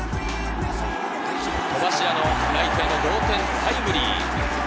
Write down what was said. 戸柱のライトへの同点タイムリー。